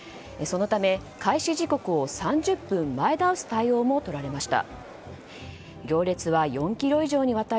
そのため、開始時刻を３０分前倒す対応も取られました。